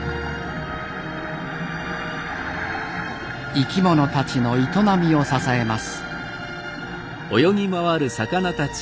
生き物たちの営みを支えます。